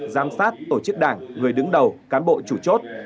giám sát tổ chức đảng người đứng đầu cán bộ chủ chốt